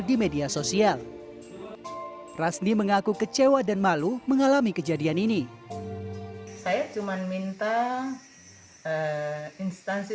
di media sosial rasni mengaku kecewa dan malu mengalami kejadian ini saya cuman minta instansi